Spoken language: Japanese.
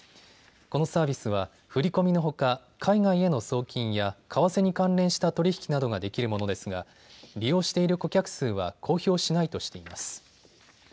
このサービスは振り込みのほか海外への送金や為替に関連した取り引きなどができるものですが利用している顧客数は公表しないとしています。